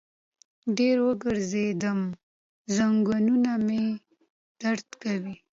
ډېر وګرځیدم، زنګنونه مې درد کوي